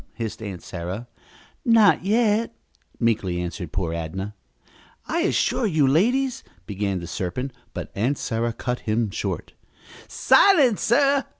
hissed Aunt Sarah. "Not yet," meekly answered poor Adnah. "I assure you ladies ," began the serpent, but Aunt Sarah cut him short. "Silence, sir!"